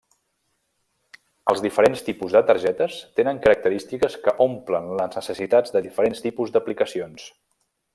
Els diferents tipus de targetes tenen característiques que omplen les necessitats de diferents tipus d'aplicacions.